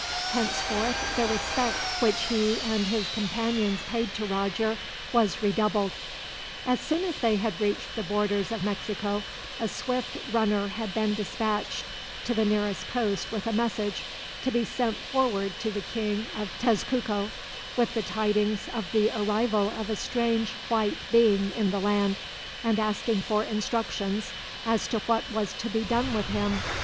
Henceforth the respect which he and his companions paid to Roger was redoubled. As soon as they had reached the borders of Mexico, a swift runner had been dispatched to the nearest post with a message, to be sent forward to the King of Tezcuco, with the tidings of the arrival of a strange white being in the land; and asking for instructions as to what was to be done with him.